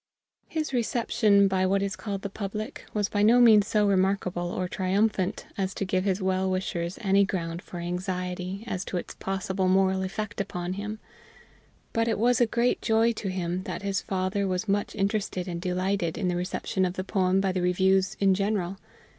His reception by what is called the public was by no means so remarkable or triumphant as to give his well wishers any ground for anxiety as to its possible moral effect upon him; but it was a great joy to him that his father was much interested and delighted in the reception of the poem by the Reviews in general.